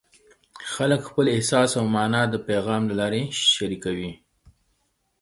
خلک خپل احساس او مانا د پیغام له لارې شریکوي.